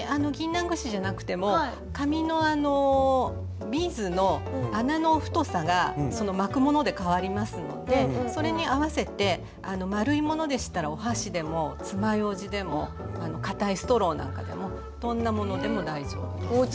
ぎんなん串じゃなくても紙のあのビーズの穴の太さがその巻くもので変わりますのでそれに合わせて丸いものでしたらお箸でもつまようじでもかたいストローなんかでもどんなものでも大丈夫です。